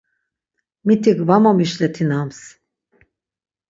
Mitik var momişletinams!